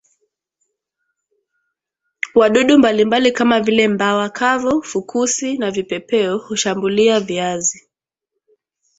wadudu mbalimbali kama vile mbawa kavu fukusi na vipepeo hushambulia viazi